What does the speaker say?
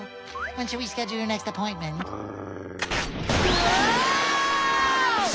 うわ！